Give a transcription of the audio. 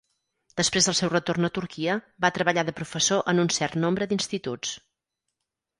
Després del seu retorn a Turquia, va treballar de professor en un cert nombre d'instituts.